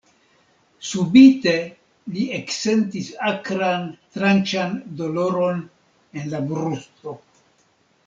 Subite li eksentis akran, tranĉan doloron en la brusto.